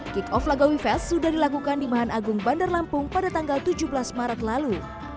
kick off lagawi fes sudah dilakukan di mahan agung bandar lampung pada tanggal tujuh belas maret lalu